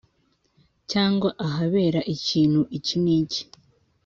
cyangwa ahabera ikintu iki n’iki.